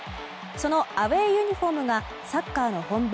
そのアウェーユニホームがサッカーの本場